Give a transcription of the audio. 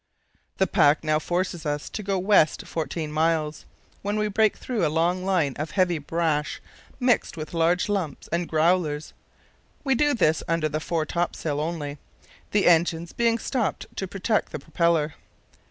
"The pack now forces us to go west 14 miles, when we break through a long line of heavy brash mixed with large lumps and 'growlers.' We do this under the fore topsail only, the engines being stopped to protect the propeller.